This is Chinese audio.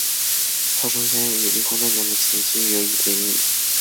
他生前与离婚多年的前妻育有一子一女。